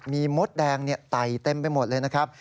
มีมดแดงไต่เต็มไปหมดเลยนะครับ